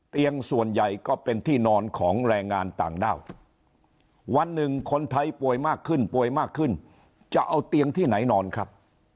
ส่วนใหญ่ก็เป็นที่นอนของแรงงานต่างด้าววันหนึ่งคนไทยป่วยมากขึ้นป่วยมากขึ้นจะเอาเตียงที่ไหนนอนครับ